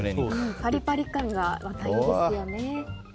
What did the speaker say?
パリパリ感がいいですよね。